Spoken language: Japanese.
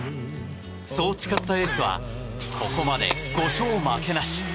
そう誓ったエースはここまで５勝負けなし。